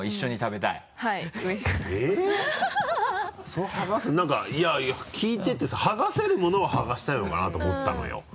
それ剥がす何かいや聞いててさ剥がせるものは剥がしたいのかなと思ったのよ。